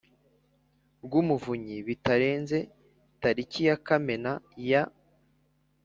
Rw umuvunyi bitarenze tariki ya kamena ya